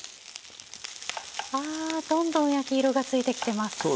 わあどんどん焼き色がついてきてます。